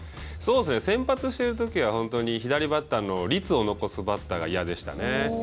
先発しているときは本当に左バッターの率を残すバッターが嫌でしたね。